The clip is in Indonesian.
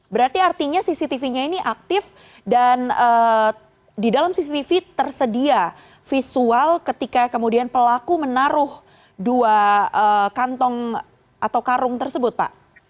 berarti artinya cctv nya ini aktif dan di dalam cctv tersedia visual ketika kemudian pelaku menaruh dua kantong atau karung tersebut pak